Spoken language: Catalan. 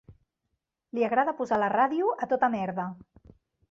Li agrada posar la ràdio a tota merda.